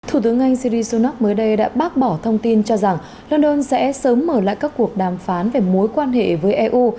thủ tướng anh syri sunak mới đây đã bác bỏ thông tin cho rằng london sẽ sớm mở lại các cuộc đàm phán về mối quan hệ với eu